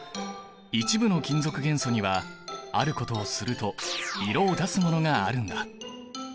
一部の金属元素にはあることをすると色を出すものがあるんだ。